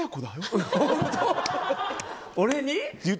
俺に？